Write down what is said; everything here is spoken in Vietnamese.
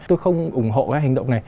tôi không ủng hộ cái hành động này